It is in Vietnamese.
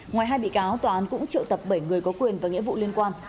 ngoài hai bị cáo tòa án cũng trự tập bảy người có quyền và nghĩa vụ liên quan